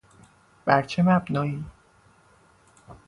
بر چه مبنایی؟